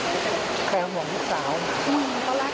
เราก็เหลือของคนเพราะเราก็มีแค่สามคน